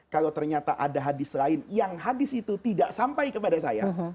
kalau ternyata ada hadis lain yang hadis itu tidak sampai kepada saya